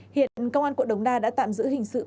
hiện công an quận đống đa đã tạm giữ hình sự